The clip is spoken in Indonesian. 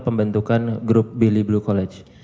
pembentukan grup billy blue college